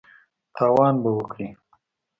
تاوان به وکړې !